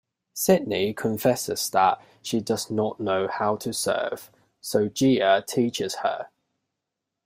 Sydney confesses that she does not know how to surf, so Gia teaches her.